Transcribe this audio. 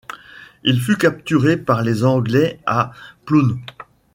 Il fut capturé par les Anglais à Plön.